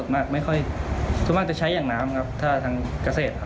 ไม่ค่อยที่มันจะใช้แห่งน้ำครับกาเสตครับ